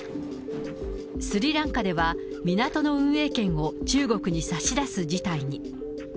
スリランカでは港の運営権を中国に差し出す事態に。